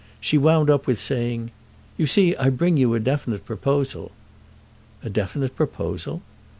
She wound up with saying: "You see I bring you a definite proposal." "A definite proposal?"